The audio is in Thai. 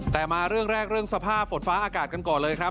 แต่มาเรื่องแรกเรื่องสภาพฝนฟ้าอากาศกันก่อนเลยครับ